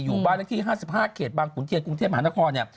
อยู่บ้านเลขที่๕๕เขตบางขุนเทียนกรุงเทพมหานคร